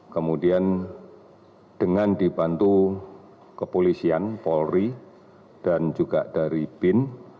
kemudian dengan dibantu kepolisian polri dan juga dari bin